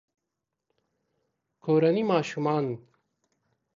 کورني ماشومان